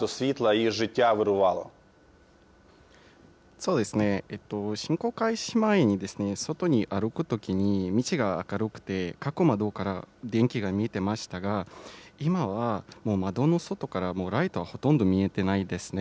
そうですね、侵攻開始前に外に歩くときに、道が明るくて、各窓から電気が見えていましたが、今はもう窓の外からライトはほとんど見えてないですね。